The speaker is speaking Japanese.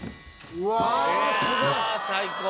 うわあ最高！